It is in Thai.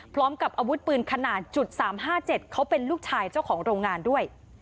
พร้อมกับอาวุธปืนขนาด๓๕๗เขาเป็นลูกชายเจ้าของโรงงานด้วย